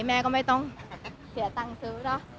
แม่ก็ไม่ต้องเสียตังซื้อ